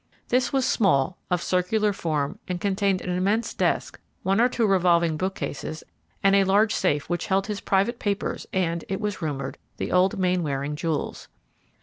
This was small, of circular form, and contained an immense desk, one or two revolving bookcases, and a large safe, which held his private papers and, it was rumored, the old Mainwaring jewels.